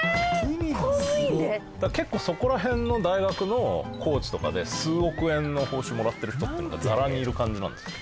結構そこら辺の大学のコーチとかで数億円の報酬もらってる人っていうのがざらにいる感じなんですよね。